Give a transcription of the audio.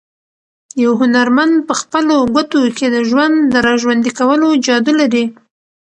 یو هنرمند په خپلو ګوتو کې د ژوند د راژوندي کولو جادو لري.